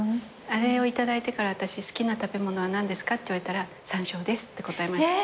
あれを頂いてから私好きな食べ物は何ですか？って言われたらさんしょうですって答えました。